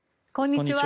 こんにちは。